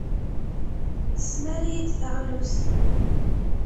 Tesmar-iyi-d taɣlust.